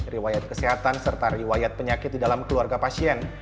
riwayat kesehatan serta riwayat penyakit di dalam keluarga pasien